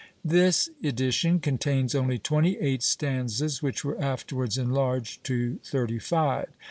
This edition contains only twenty eight stanzas, which were afterwards enlarged to thirty five.